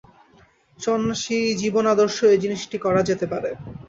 সন্ন্যাসী-জীবনাদর্শেও এ জিনিষটি করা যেতে পারে।